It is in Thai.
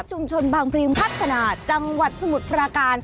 บางพรีมพัฒนาจังหวัดสมุทรปราการ